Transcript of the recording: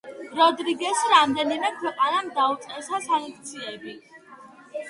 როდრიგესს რამდენიმე ქვეყანამ დაუწესა სანქციები.